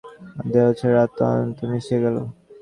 অসুখ নেই বিসুখ নাই, ইচ্ছা হল আর দেহ ছেড়ে আত্মা অনন্তে মিশিয়া গেল।